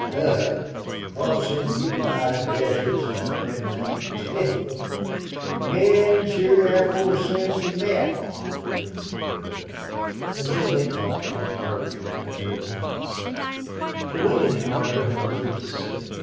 "Dug? Across them Utah deserts an' up them mountains? Hell! Men sure hev more sense than thet," exclaimed the third. And so they talked and argued at their tasks. The women, however, had little to say.